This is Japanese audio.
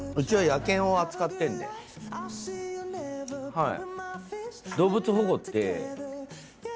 はい。